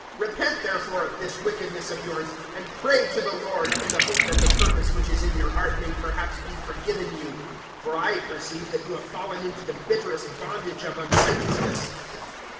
008:022 Repent, therefore, of this wickedness of yours, and pray to the Lord, in the hope that the purpose which is in your heart may perhaps be forgiven you. 008:023 For I perceive that you have fallen into the bitterest bondage of unrighteousness."